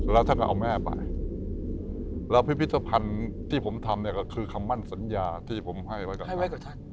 แล้วท่านก็เอาแม่ไปแล้วพิพิธภัณฑ์ที่ผมทำเนี่ยก็คือคำมั่นสัญญาที่ผมให้ไว้กับให้ไว้กับท่าน